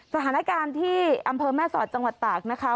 สถานการณ์ที่อำเภอแม่สอดจังหวัดตากนะคะ